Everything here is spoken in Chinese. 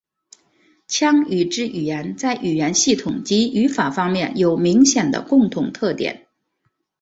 羌语支语言在语音系统及语法方面有明显的共同特点。